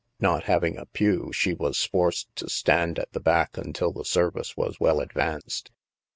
Not having a pew, she was forced to stand at the tjack until the service was well advanced.